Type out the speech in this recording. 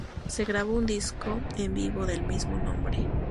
Se graba un disco en vivo del mismo nombre.